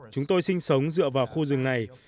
chúng tôi sinh sống dựa vào khu rừng này